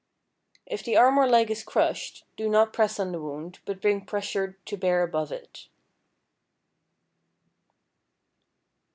If the arm or leg is crushed, do not press on the wound, but bring pressure to bear above it.